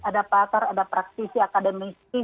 ada pakar ada praktisi akademisi